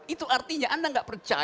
itu artinya anda nggak percaya